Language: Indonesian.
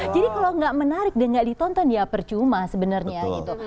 jadi kalau gak menarik dan gak ditonton ya percuma sebenarnya gitu